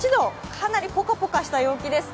かなりポカポカした陽気です。